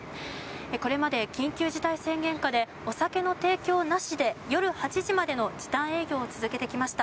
これまで緊急事態宣言下でお酒の提供なしで夜８時までの時短営業を続けてきました。